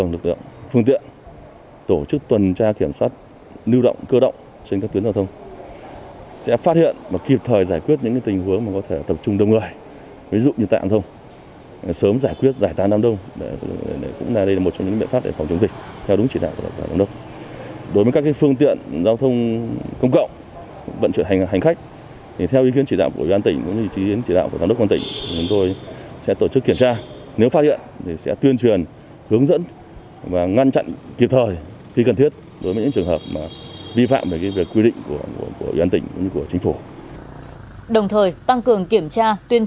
lực lượng công an còn thường xuyên tuần tra kiểm soát phát hiện và xử lý kịp thời các hành vi vi phạm pháp luật